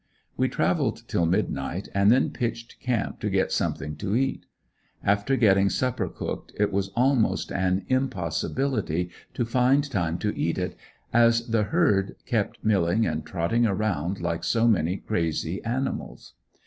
We traveled till midnight and then pitched camp to get something to eat. After getting supper cooked, it was almost an impossibility to find time to eat it, as the herd kept milling and trotting around like so many crazy animals.